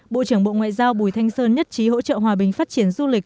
bộ trưởng bộ ngoại giao bùi thanh sơn nhất trí hỗ trợ hòa bình phát triển du lịch